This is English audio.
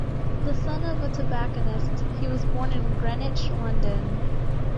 The son of a tobacconist, he was born in Greenwich, London.